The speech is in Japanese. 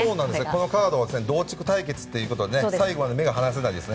このカードは同地区対決ということで最後まで目が離せないです。